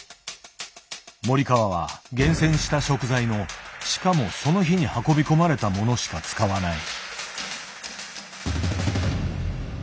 森川は厳選した食材のしかもその日に運び込まれたものしか使わない。